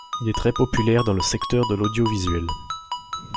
Il est très populaire dans le secteur de l'audiovisuel.